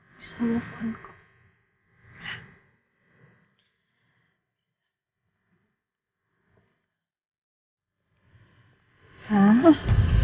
masa apa aku bisa telepon